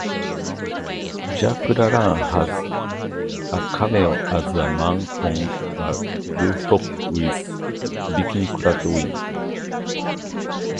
Jack LaLanne has a cameo as a man on a rooftop with bikini-clad women.